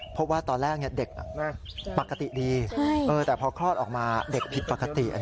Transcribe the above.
เพราะว่าตอนแรกเด็กปกติดีแต่พอคลอดออกมาเด็กผิดปกติ